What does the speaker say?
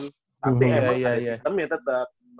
tapi emang kaya hitam ya tetep